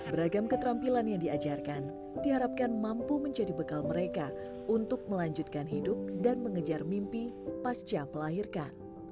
beragam keterampilan yang diajarkan diharapkan mampu menjadi bekal mereka untuk melanjutkan hidup dan mengejar mimpi pasca melahirkan